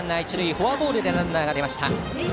フォアボールでランナーが出ました。